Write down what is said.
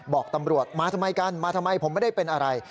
บอกตำรวจมาทำไมกันมาทำไมผมไม่ได้เป็นอะไร